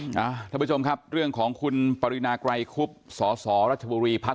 นะท่าผู้ชมครับเรื่องของคุณปริณาไกรคุปสสรัฐโปรีพัก